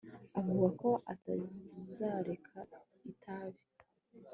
Avuga ko atazareka itabi